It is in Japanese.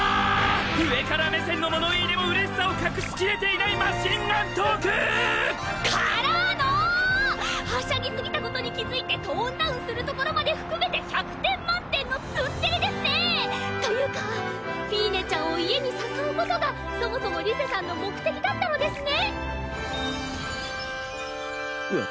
上から目線の物言いでもうれしさを隠しきれていないマシンガントーク！からのはしゃぎ過ぎたことに気付いてトーンダウンするところまで含めて１００点満点のツンデレですね！というかフィーネちゃんを家に誘うことがそもそもリゼたんの目的だったのですね！